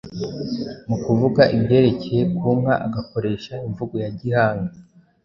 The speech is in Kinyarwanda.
Mu kuvuga ibyerekeye ku nka agakoresha imvugo ya gihanga